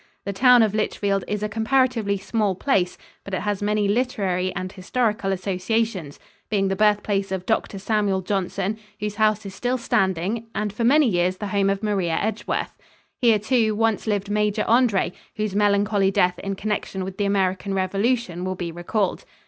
The town of Lichfield is a comparatively small place, but it has many literary and historical associations, being the birthplace of Dr. Samuel Johnson, whose house is still standing, and for many years the home of Maria Edgeworth. Here, too, once lived Major Andre, whose melancholy death in connection with the American Revolution will be recalled.